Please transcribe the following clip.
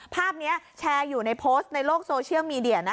ภาพนี้แชร์อยู่ในโพสต์ในโลกโซเชียลมีเดีย